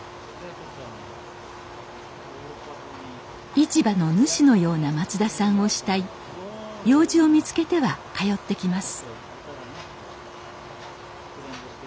市場の主のような松田さんを慕い用事を見つけては通ってきます